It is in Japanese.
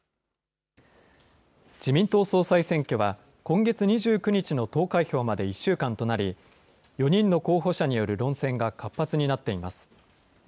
自民党総裁選挙は、今月２９日の投開票まで１週間となり、４人の候補者による論戦が活発になっています。